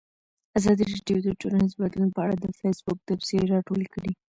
ازادي راډیو د ټولنیز بدلون په اړه د فیسبوک تبصرې راټولې کړي.